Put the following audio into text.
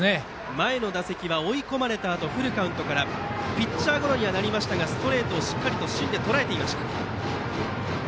前の打席は追い込まれたあとフルカウントからピッチャーゴロになりましたがストレートをしっかりと芯でとらえていました。